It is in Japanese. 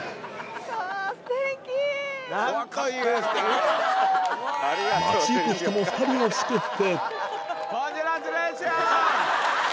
街行く人も２人を祝福